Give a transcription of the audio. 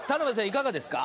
いかがですか？